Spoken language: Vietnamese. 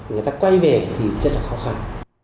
người ta quay về thì rất là khó khăn